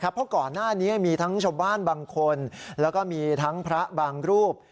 เพราะก่อนหน้านี้มีทั้งชาวบ้านบางคนแล้วก็มีทั้งพระบางรูป